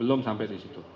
belum sampai di situ